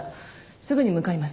すぐに向かいます。